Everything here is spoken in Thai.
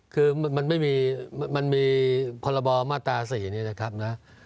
คือมันไม่มีมันมีพรบมาตรา๔นี้นะครับนะ